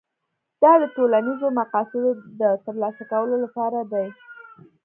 دا د ټولنیزو مقاصدو د ترلاسه کولو لپاره دي.